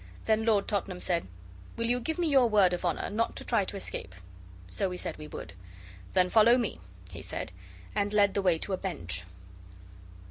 Then Lord Tottenham said 'Will you give me your word of honour not to try to escape?' So we said we would. 'Then follow me,' he said, and led the way to a bench.